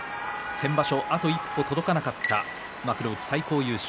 先場所あと一歩届かなかった幕内最高優勝。